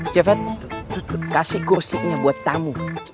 cefet kasih kursinya buat tamu